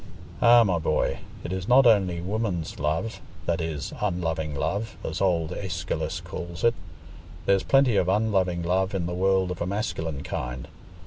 "Ah, my boy, it is not only woman's love that is ἀπέρωτος ἒρως as old Æschylus calls it. There's plenty of 'unloving love' in the world of a masculine kind.